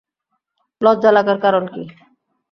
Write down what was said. লজ্জা লাগার কারণ কি?